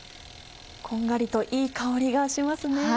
こんがりといい香りがしますね。